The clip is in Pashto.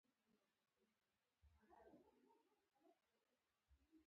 موسکا د ښکلا تر ټولو خوږه بڼه ده.